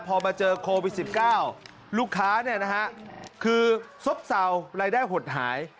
พอมาเจอโควิด๑๙ลูกค้าเนี่ยนะฮะคือซบเสารายได้หดหาย